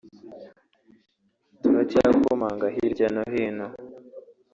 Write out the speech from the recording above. turacyakomanga hirya no hino